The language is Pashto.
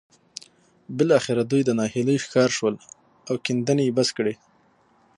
بالاخره دوی د ناهيلۍ ښکار شول او کيندنې يې بس کړې.